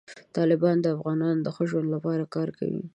طالبان د افغانانو د ښه ژوند لپاره کار کوي.